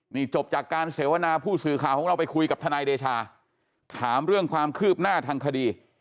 นี่จบจากการเสวนาผู้สื่อข่าวของเราไปคุยกับทนายเดชาถามเรื่องความคืบหน้าทางคดี